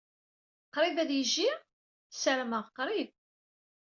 Qrib ad yejjey? Ssarameɣ qrib.